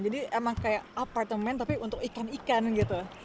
jadi emang kayak apartemen tapi untuk ikan ikan gitu